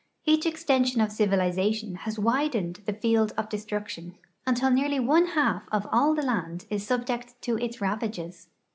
Each extension of civilization has widened the field of destruction, until nearly one half of all the land is sul)ject to its ravages.